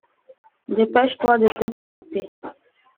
Dépêche-toi de te connecter!